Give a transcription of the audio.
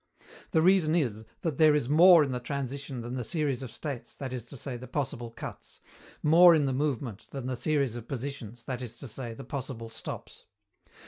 The reason is that there is more in the transition than the series of states, that is to say, the possible cuts more in the movement than the series of positions, that is to say, the possible stops.